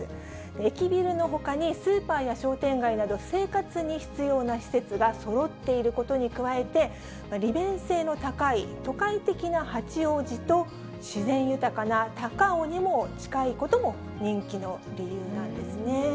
駅ビルのほかにスーパーや商店街など、生活に必要な施設がそろっていることに加えて、利便性の高い都会的な八王子と、自然豊かな高尾にも近いことも人気の理由なんですね。